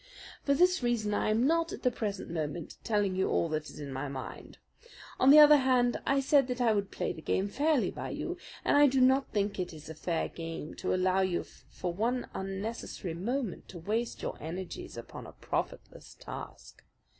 For this reason I am not at the present moment telling you all that is in my mind. On the other hand, I said that I would play the game fairly by you, and I do not think it is a fair game to allow you for one unnecessary moment to waste your energies upon a profitless task.